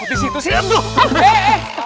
kutis itu sih